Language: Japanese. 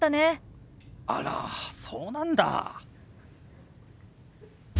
あらそうなんだ。